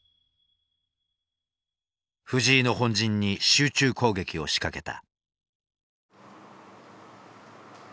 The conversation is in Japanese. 藤井の本陣に集中攻撃を仕掛けた。